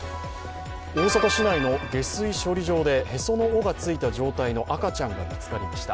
大阪市内の下水処理場でへその緒がついた状態の赤ちゃんが見つかりました。